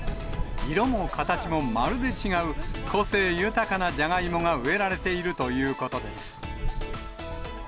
色も形もまるで違う、個性豊かなじゃがいもが植えられているということです。